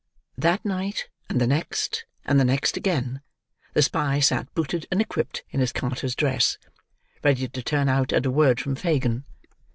That night, and the next, and the next again, the spy sat booted and equipped in his carter's dress: ready to turn out at a word from Fagin.